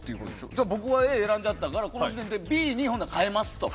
じゃあ僕はＡを選んじゃったからＢに変えますと。